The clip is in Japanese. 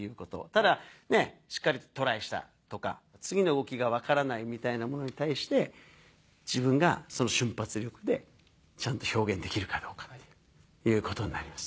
ただしっかりとトライしたとか次の動きが分からないみたいなものに対して自分がその瞬発力でちゃんと表現できるかどうかということになります。